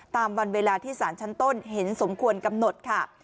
ตามวันเวลาที่สารชั้นต้นเห็นสมควรกำหนดค่ะ